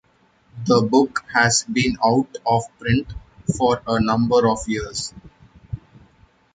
The book has been out of print for a number of years.